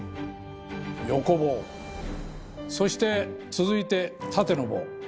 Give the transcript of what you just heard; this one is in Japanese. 横棒そして続いて縦の棒。